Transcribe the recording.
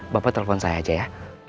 bapak telepon saya aja ya